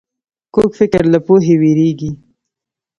کوږ فکر له پوهې وېرېږي